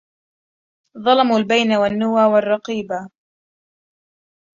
ظلموا البين والنوى والرقيبا